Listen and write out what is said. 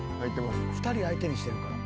２人相手にしてるから。